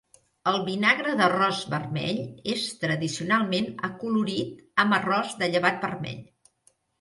El vinagre d'arròs vermell és tradicionalment acolorit amb arròs de llevat vermell.